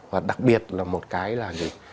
và đặc biệt là một cái là